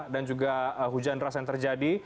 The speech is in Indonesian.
dan juga hujan deras yang terjadi